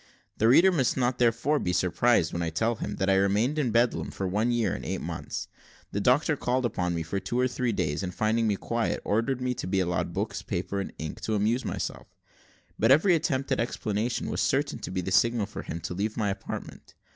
The reader must not therefore be surprised when I tell him, that I remained in Bedlam for one year and eight months. The doctor called upon me for two or three days, and finding me quiet, ordered me to be allowed books, paper, and ink, to amuse myself; but every attempt at explanation was certain to be the signal for him to leave my apartment.